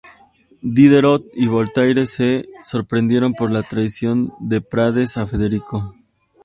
Diderot y Voltaire se sorprendieron por la traición de De Prades a Federico.